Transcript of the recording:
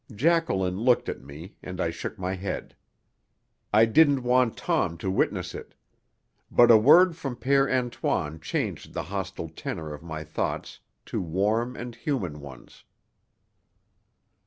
Jacqueline looked at me, and I shook my head. I didn't want Tom to witness it. But a word from Père Antoine changed the hostile tenor of my thoughts to warm and human ones.